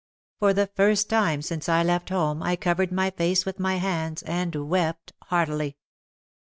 For the first time since I left home I covered my face with my hands and wept heartily.